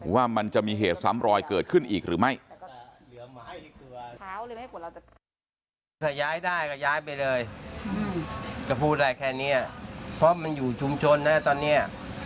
ว่ามันจะมีเหตุซ้ำรอยเกิดขึ้นอีกหรือไม่